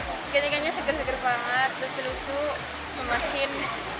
ikan ikannya seger seger banget lucu lucu memasin